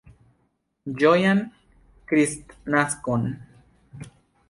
Ĝojan Kristnaskon!